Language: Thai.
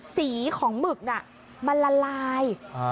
สีของหมึกน่ะมันละลาย